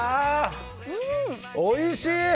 おいしい！